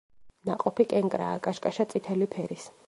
ნაყოფი კენკრაა, კაშკაშა წითელი ფერის.